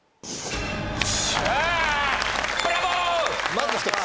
まず１つ。